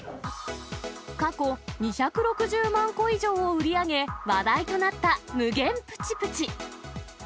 過去２６０万個以上を売り上げ、話題となった無限ぷちぷち。